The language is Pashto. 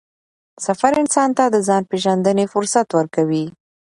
سفر انسان ته د ځان پېژندنې فرصت ورکوي